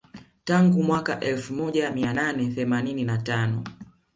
Tangu mwaka elfu moja mia nane themanini na tano